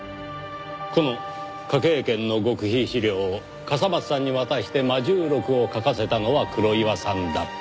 この科警研の極秘資料を笠松さんに渡して『魔銃録』を書かせたのは黒岩さんだった。